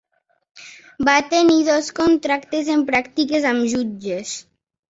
Va tenir dos contractes en pràctiques amb jutges.